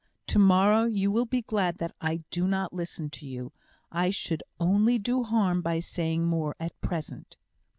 To morrow you will be glad that I do not listen to you. I should only do harm by saying more at present."